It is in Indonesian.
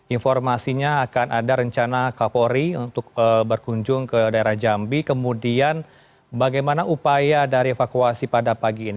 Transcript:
informasinya akan ada rencana kapolri untuk berkunjung ke daerah jambi kemudian bagaimana upaya dari evakuasi pada pagi ini